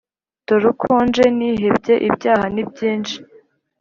Dore uko nje nihebye ibyaha ni byinshi